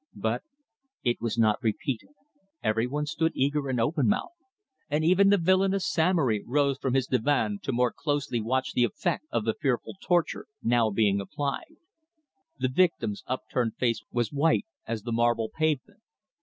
But it was not repeated. Everyone stood eager and open mouthed, and even the villainous Samory rose from his divan to more closely watch the effect of the fearful torture now being applied. The victim's upturned face was white as the marble pavement.